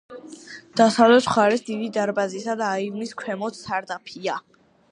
დასავლეთ მხარეს დიდი დარბაზისა და აივნის ქვემოთ სარდაფია.